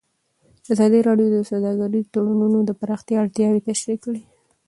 ازادي راډیو د سوداګریز تړونونه د پراختیا اړتیاوې تشریح کړي.